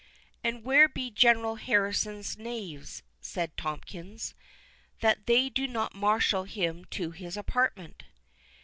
"And where be General Harrison's knaves," said Tomkins, "that they do not marshal him to his apartment?"